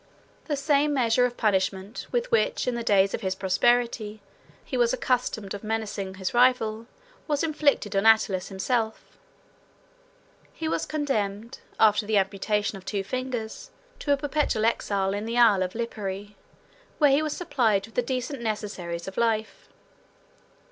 The same measure of punishment, with which, in the days of his prosperity, he was accused of menacing his rival, was inflicted on Attalus himself; he was condemned, after the amputation of two fingers, to a perpetual exile in the Isle of Lipari, where he was supplied with the decent necessaries of life.